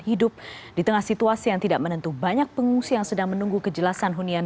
hidup di tengah situasi yang tidak menentu banyak pengungsi yang sedang menunggu kejelasan hunian